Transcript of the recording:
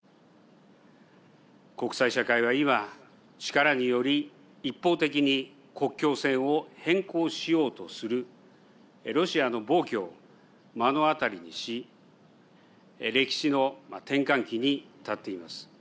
国際社会は今力により一方的に国境線を変更しようとするロシアの暴挙を目の当たりにし歴史の転換期に立っています。